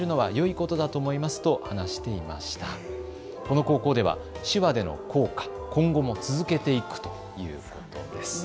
この高校では手話での校歌、今後も続けていくということです。